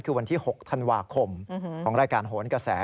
คือวันที่๖ธันวาคมของรายการโหนกระแส